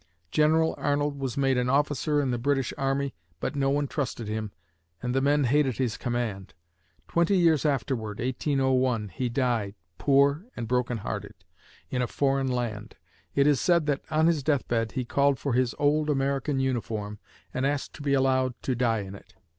General Arnold was made an officer in the British army, but nobody trusted him, and the men hated his command. Twenty years afterward (1801), he died, poor and broken hearted, in a foreign land. It is said that, on his death bed, he called for his old American uniform and asked to be allowed to die in it.